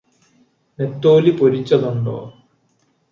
നെത്തോലി പൊരിച്ചതുണ്ടോ?